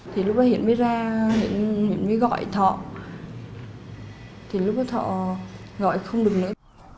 thì lúc đó thọ gọi không được nữa